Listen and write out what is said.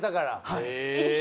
はい。